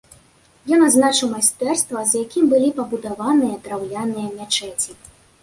Ён адзначыў майстэрства, з якім былі пабудаваныя драўляныя мячэці.